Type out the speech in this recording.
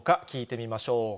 聞いてみましょう。